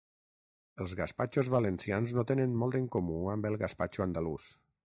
Els gaspatxos valencians no tenen molt en comú amb el gaspatxo andalús.